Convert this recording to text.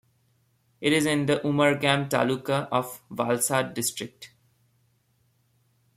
It is in the Umargam taluka of Valsad district.